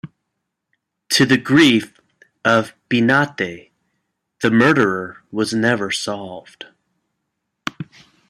To the grief of Benante, the murder was never solved.